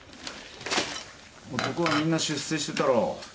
男はみんな出世してたろう？